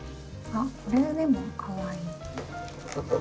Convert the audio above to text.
あっこれでもかわいい。